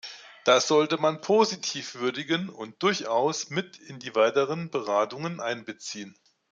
Das sollte man positiv würdigen und durchaus mit in die weiteren Beratungen einbeziehen.